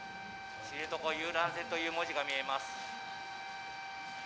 知床遊覧船という文字が見えます。